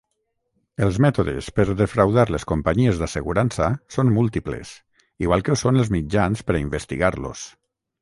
Els mètodes per defraudar les companyies d'assegurança són múltiples, igual que ho són els mitjans per a investigar-los.